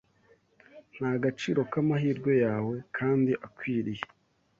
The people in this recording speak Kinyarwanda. n’agaciro k’amahirwe yahawe, kandi akwiriye